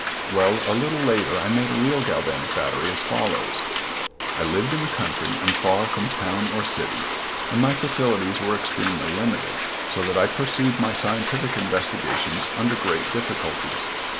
Well, a little later I made a real galvanic battery as follows: I lived in the country and far from town or city, and my facilities were extremely limited, so that I pursued my scientific investigations under great difficulties.